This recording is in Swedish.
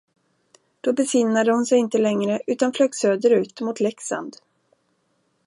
Då besinnade hon sig inte längre, utan flög söderut mot Leksand.